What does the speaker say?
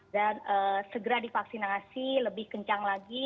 dan segera divaksinasi lebih kencang lagi